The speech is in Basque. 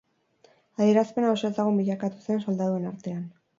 Adierazpena oso ezagun bilakatu zen soldaduen artean.